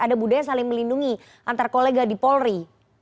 ada budaya saling melindungi antar kolega di polri